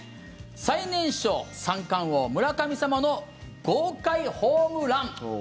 最年少三冠王、村神様の豪快ホームラン。